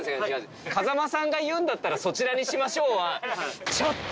「風間さんが言うんだったらそちらにしましょう」は。